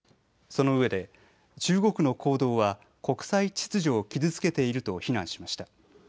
その上で中国の行動は国際秩序を傷つけていると非難しました。